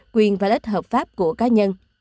quyền và lợi ích hợp pháp của cá nhân